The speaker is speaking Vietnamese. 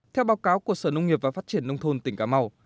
theo báo cáo của sở nông nghiệp và phát triển nông thôn tỉnh cà mau